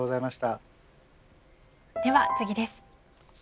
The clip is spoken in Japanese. では次です。